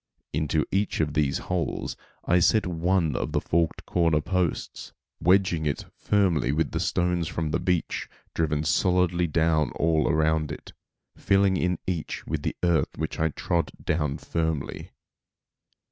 Into each of these holes I set one of the forked corner posts, wedging it firmly with stones from the beach, driven solidly down all around it, filling in each with earth which I trod down firmly.